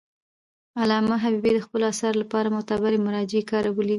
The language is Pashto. علامه حبیبي د خپلو اثارو لپاره معتبري مراجع کارولي دي.